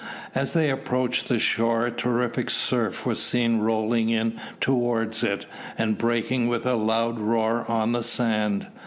As they approached the shore a terrific surf was seen rolling in towards it, and breaking with a loud roar on the sand.